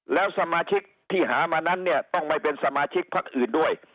แล้วสมาชิกที่หามานั้นเนี่ยต้องไม่เป็นสมาชิกพักอื่นด้วย